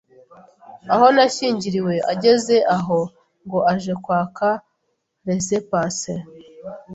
aho nashyingiriwe ageze aho ngo aje kwaka laissez-passer